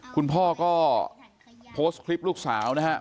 คุณพ่อก็โพสต์คลิปลูกสาวนะฮะ